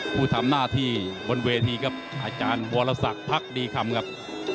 ผู้ทำหน้าที่บนเวทีครับอาจารย์วรสักพักดีคำครับ